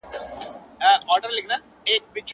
هیڅوک نه وايي چي عقل مرور دی!.